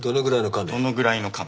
どのぐらいのカメ？